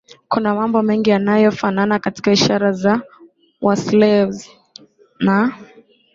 kuna mambo mengi yanayofanana katika ishara za Waslavs na